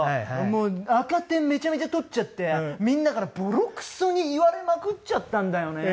もう赤点めちゃめちゃ取っちゃってみんなからボロクソに言われまくっちゃったんだよね。